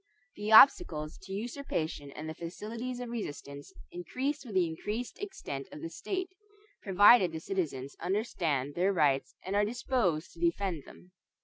The obstacles to usurpation and the facilities of resistance increase with the increased extent of the state, provided the citizens understand their rights and are disposed to defend them.